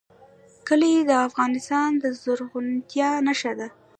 کلي د افغانستان د زرغونتیا نښه ده.